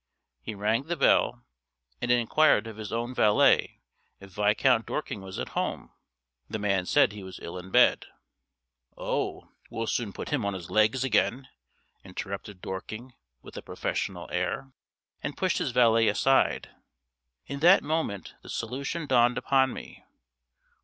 He rang the bell, and enquired of his own valet if Viscount Dorking was at home. The man said he was ill in bed. "Oh, we'll soon put him on his legs again," interrupted Dorking, with a professional air, and pushed his valet aside. In that moment the solution dawned upon me.